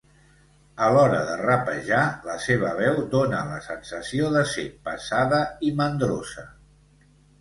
A l'hora de rapejar, la seva veu dóna la sensació de ser pesada i mandrosa.